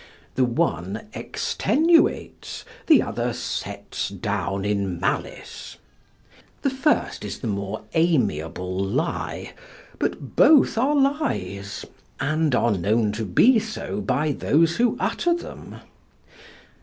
The one extenuates, the other sets down in malice. The first is the more amiable lie, but both are lies, and are known to be so by those who utter them.